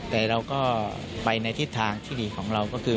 แต่เราก็ไปในทิศทางที่ดีของเราก็คือ